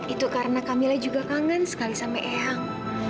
itu karena kamila juga kangen sekali sama eyang